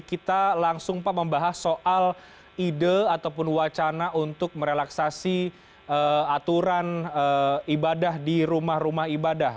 kita langsung pak membahas soal ide ataupun wacana untuk merelaksasi aturan ibadah di rumah rumah ibadah